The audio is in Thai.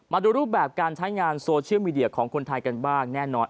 มาดูรูปแบบการใช้งานโซเชียลมีเดียของคนไทยกันบ้างแน่นอน